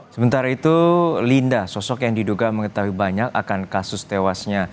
sementara itu linda sosok yang diduga mengetahui banyak akan kasus tewasnya